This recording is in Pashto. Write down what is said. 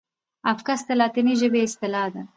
افکس د لاتیني ژبي اصطلاح ده.